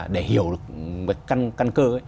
để hiểu được căn cơ